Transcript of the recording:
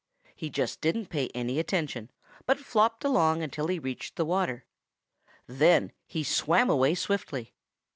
He just didn't pay any attention, but flopped along until he reached the water. Then he swam away swiftly.